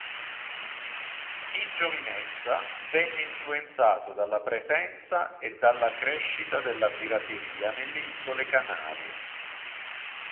In giovinezza venne influenzato dalla presenza e dalla crescita della pirateria nelle Isole Canarie.